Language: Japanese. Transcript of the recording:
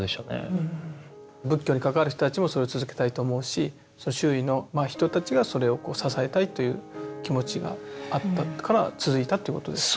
仏教に関わる人たちもそれを続けたいと思うしその周囲の人たちがそれを支えたいという気持ちがあったから続いたっていうことですね。